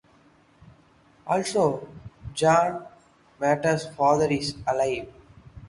Also, John Manners' father is alive.